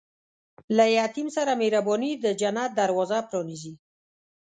له یتیم سره مهرباني، د جنت دروازه پرانیزي.